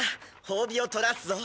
褒美をとらすぞ。